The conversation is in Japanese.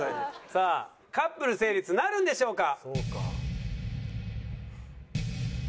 さあカップル成立なるんでしょうか？